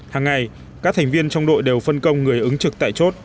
hàng ngày các thành viên trong đội đều phân công người ứng trực tại chốt